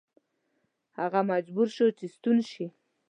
هغه مجبور شو چې ستون شي.